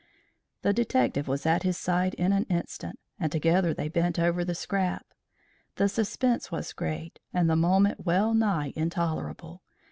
The detective was at his side in an instant, and together they bent over the scrap. The suspense was great, and the moment well nigh intolerable.